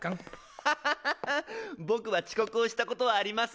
ハハハハボクはちこくをしたことはありません。